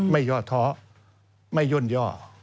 ย่อท้อไม่ย่นย่อ